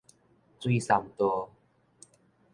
水杉道